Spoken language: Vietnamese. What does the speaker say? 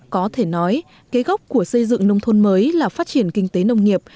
có thể nói kế gốc của xây dựng nông thôn mới là phát triển kinh tế nông nghiệp